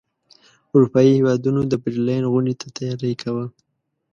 اروپايي هیوادونو د برلین غونډې ته تیاری کاوه.